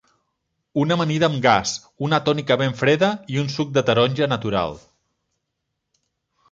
Una amanida amb gas, una tònica ben freda i un suc de taronja natural.